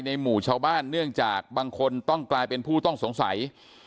หมู่ชาวบ้านเนื่องจากบางคนต้องกลายเป็นผู้ต้องสงสัย